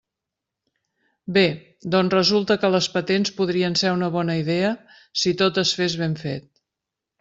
Bé, doncs resulta que les patents podrien ser una bona idea, si tot es fes ben fet.